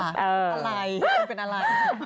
อะไรคุณเป็นอะไร